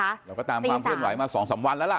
เราก็ตามความเคลื่อนไหวมา๒๓วันแล้วล่ะ